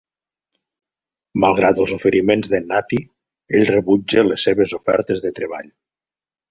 Malgrat els oferiments de Natty, ell rebutja les seves ofertes de treball.